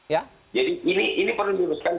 jadi ini perlu diuruskan